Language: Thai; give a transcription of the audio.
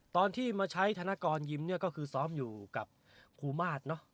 ตอนที่มาใช้ธนกรยิ้มเนี่ยก็คือซ้อมอยู่กับครูมาสเนอะ